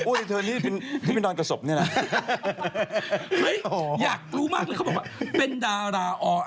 อ้วนรีเทิร์นนี่เป็นนอนกระสบเนี่ยนะ